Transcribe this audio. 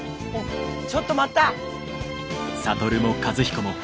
ちょっと待った！